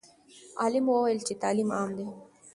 عالم وویل چې تعلیم عام دی.